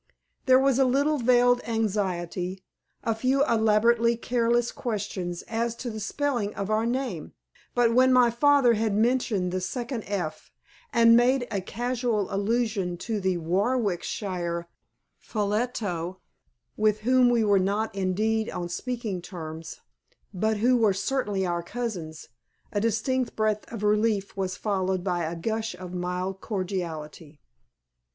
There was a little veiled anxiety, a few elaborately careless questions as to the spelling of our name; but when my father had mentioned the second "f," and made a casual allusion to the Warwickshire Ffolliots with whom we were not indeed on speaking terms, but who were certainly our cousins a distinct breath of relief was followed by a gush of mild cordiality.